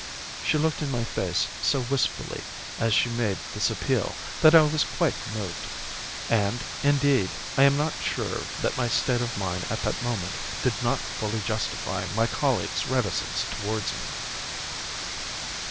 She looked in my face so wistfully as she made this appeal that I was quite moved; and, indeed, I am not sure that my state of mind at that moment did not fully justify my colleague's reticence towards me.